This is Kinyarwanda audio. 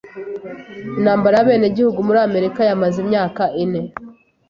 Intambara y'abenegihugu muri Amerika yamaze imyaka ine.